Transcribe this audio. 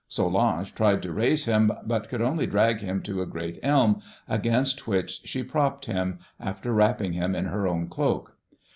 Solange tried to raise him, but could only drag him to a great elm, against which she propped him, after wrapping him in her own cloak.